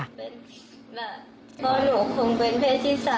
พ่อหนูคงเป็นเพศที่๓